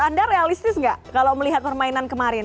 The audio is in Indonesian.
anda realistis gak kalau melihat permainan kemarin